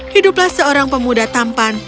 hiduplah seorang pemuda tampan